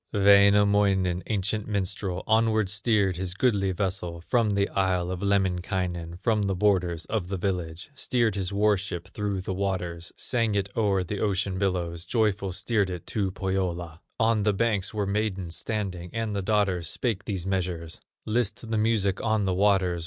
Wainamoinen, ancient minstrel, Onward steered his goodly vessel, From the isle of Lemminkainen, From the borders of the village; Steered his war ship through the waters, Sang it o'er the ocean billows, Joyful steered it to Pohyola. On the banks were maidens standing, And the daughters spake these measures: "List the music on the waters!